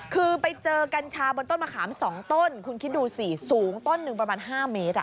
คือไปเจอกัญชาบนต้นมะขาม๒ต้นคุณคิดดูสิสูงต้นหนึ่งประมาณ๕เมตร